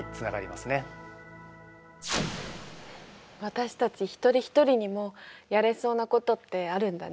私たちひとりひとりにもやれそうなことってあるんだね。